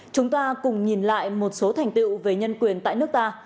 chúng ta cùng nhìn lại một số thành tựu về nhân quyền tại nước ta